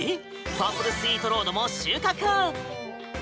パープルスイートロードも収穫。